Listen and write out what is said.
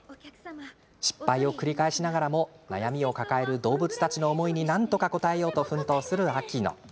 失敗を繰り返しながらも悩みを抱える動物たちの思いになんとか応えようと奮闘する秋乃。